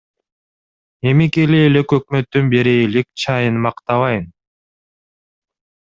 Эми келе элек өкмөттүн бере элек чайын мактабайын.